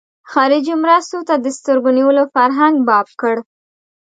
خارجي مرستو ته د سترګو نیولو فرهنګ باب کړ.